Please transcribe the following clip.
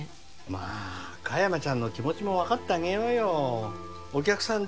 まあ香山ちゃんの気持ちも分かってあげようよお客さん